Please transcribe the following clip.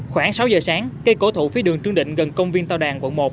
khoảng sáu giờ sáng cây cổ thụ phía đường trương định gần công viên tàu đàn quận một